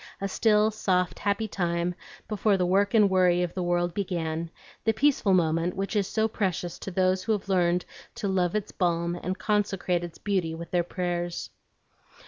A still, soft, happy time before the work and worry of the world began, the peaceful moment which is so precious to those who have learned to love its balm and consecrate its beauty with their prayers.